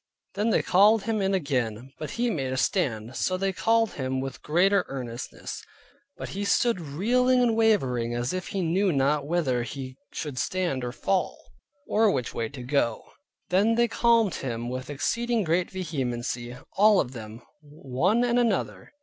Then they called him in again, but he made a stand. So they called him with greater earnestness; but he stood reeling and wavering as if he knew not whither he should stand or fall, or which way to go. Then they called him with exceeding great vehemency, all of them, one and another.